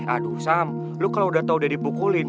aduh sam lo kalo udah tau udah dipukulin